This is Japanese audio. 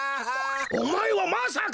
おまえはまさか！？